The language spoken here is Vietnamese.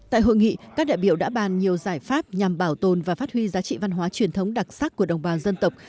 tại hội nghị các đại biểu đã bàn nhiều giải pháp nhằm bảo tồn và phát huy giá trị văn hóa truyền thống đặc sắc của đồng bào dân tộc